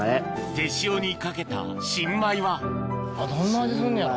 手塩にかけた新米はどんな味すんのやろう？